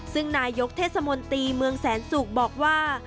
ซึ่งนายกเทศมนตรีเมืองแสนสุกบอกว่า